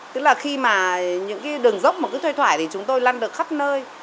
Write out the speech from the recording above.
tức là khi mà những cái đường dốc mà cứ thuê thoải thì chúng tôi lăn được khắp nơi